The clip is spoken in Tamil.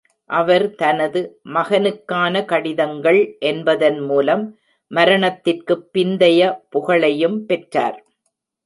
அவர் தனது "மகனுக்கான கடிதங்கள்" என்பதன் மூலம் மரணத்திற்குப் பிந்தைய புகழையும் பெற்றார்.